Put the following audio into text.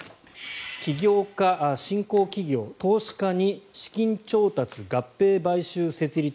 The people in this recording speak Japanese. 起業家、新興企業投資家に資金調達、合併・買収・設立